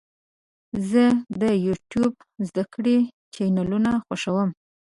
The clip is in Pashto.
زه د یوټیوب زده کړې چینلونه خوښوم.